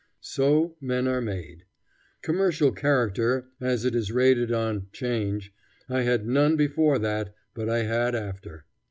So men are made. Commercial character, as it is rated on 'change, I had none before that; but I had after.